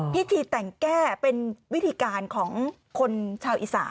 พิธีแต่งแก้เป็นวิธีการของคนชาวอีสาน